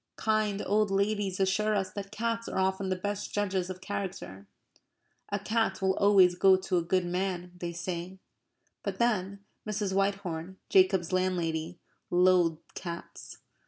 Kind old ladies assure us that cats are often the best judges of character. A cat will always go to a good man, they say; but then, Mrs. Whitehorn, Jacob's landlady, loathed cats.